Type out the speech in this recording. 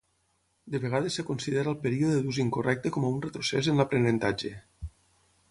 De vegades es considera el període d'ús incorrecte com a un retrocés en l'aprenentatge.